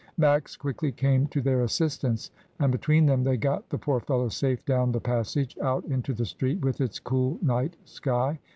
Max quickly came to their assistance, and between them they got the poor fellow safe down the passage, out into the street, with its cool night sky.